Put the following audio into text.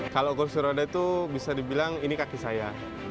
kalau kursi roda itu bisa dibilang ini kaki saya